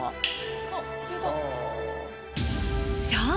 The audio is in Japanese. そう！